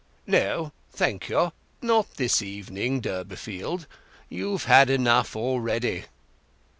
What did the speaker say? "No, thank you—not this evening, Durbeyfield. You've had enough already."